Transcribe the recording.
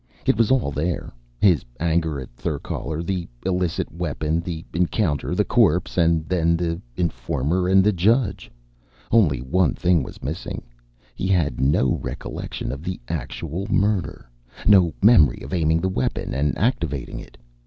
It was all there: his anger at Therkaler, the illicit weapon, the encounter, the corpse, and then the informer and the judge. Only one thing was missing. He had no recollection of the actual murder, no memory of aiming the weapon and activating it.